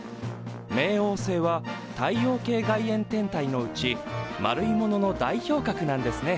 冥王星は太陽系外縁天体のうち丸いものの代表格なんですね。